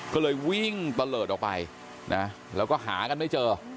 ก็เลยวิ่งตะเลิศออกไปนะแล้วก็หากันไม่เจอ